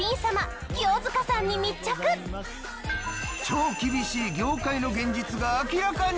このあと超厳しい業界の現実が明らかに！